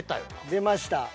出ました。